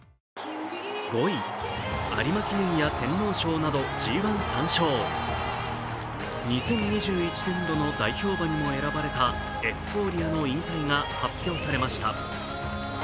５位、有馬記念や天皇賞などＧⅠ３勝、２０２１年度の代表馬にも選ばれたエフフォーリアの引退が発表されました。